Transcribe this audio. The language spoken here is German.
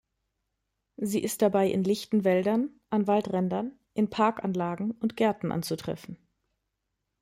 Sie ist dabei in lichten Wäldern, an Waldrändern, in Parkanlagen und in Gärten anzutreffen.